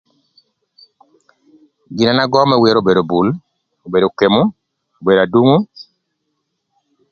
Gin na an agöö më wer obedo bul, obedo okemu, obedo adungu.